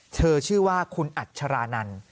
เธอชื่อว่าคุณอัชรานัน